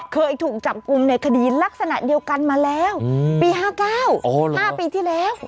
เคยถูกจับกลุ่มในคดีลักษณะเดียวกันมาแล้วปี๕๙๕ปีที่แล้ว